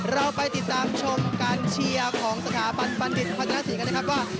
เราไปติดตามชมการเชียร์ของสถาบันบัณฑิตพัฒนาศรีกันนะครับว่า